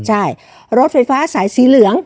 ใช่รถไฟฟ้าสายสีเหลือง